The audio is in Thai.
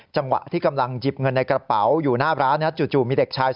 จังหวะที่กำลังหยิบเงินในกระเป๋าอยู่หน้าร้านจู่มีเด็กชาย